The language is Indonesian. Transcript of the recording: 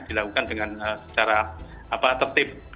dilakukan dengan secara tertib